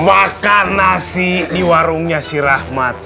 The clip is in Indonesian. makan nasi di warungnya si rahmat